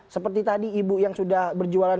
seperti tadi ibu yang sudah berjualan